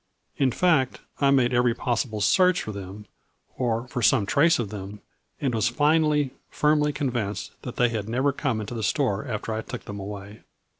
In fact I made every possible search for them, or for some trace of them, and was finally, firmly convinced that they had never come into the store after I took them away.